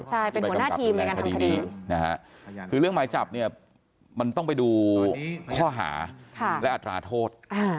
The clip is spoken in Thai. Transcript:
ใช่เป็นหัวหน้าทีมในการทำคดีนะฮะคือเรื่องหมายจับเนี่ยมันต้องไปดูข้อหาและอัตราโทษ